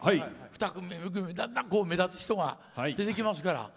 ２組目、３組目だんだん、目立つ人が出てきますから。